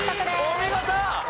お見事！